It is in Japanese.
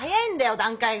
段階が。